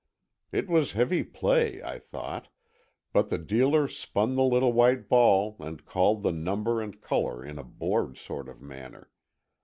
It was heavy play, I thought, but the dealer spun the little white ball and called the number and color in a bored sort of manner.